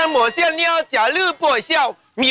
น้องอาจจะไม่รู้เรื่องแต่ผมถามให้